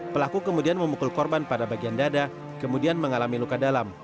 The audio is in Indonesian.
pelaku kemudian memukul korban pada bagian dada kemudian mengalami luka dalam